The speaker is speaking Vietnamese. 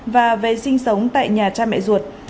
và về sinh sống tại nhà cha mẹ ruột